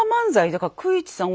だから九一さん